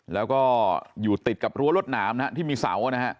แล้วก็อยู่ติดกับรั้วรวดหนามนะฮะที่มีเสานะฮะ